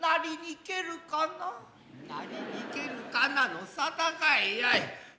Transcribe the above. なりにけるかなの沙汰かいやい。